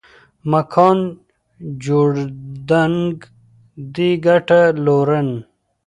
مکان جوړېدنک دې ګټه لورن